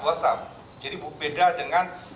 whatsapp jadi beda dengan